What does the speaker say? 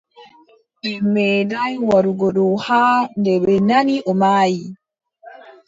Ɓe meeɗaay warugo ɗo haa nde ɓe nani o maayi.